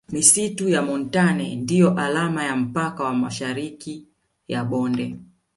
Misitu ya montane ndiyo alama ya mpaka wa Mashariki ya bonde